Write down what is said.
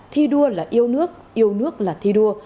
thi đua là yêu nước yêu nước là thi đua